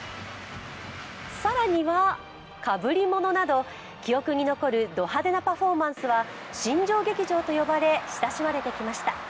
更にはかぶりものなど記憶に残るド派手なパフォーマンスは新庄劇場と呼ばれ、親しまれてきました。